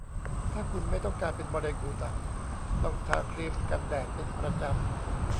ถ้าคุณไม่ต้องการเป็นมะเร็งผิวหนัง ต้องทาครีมกันแดดเป็นประจำ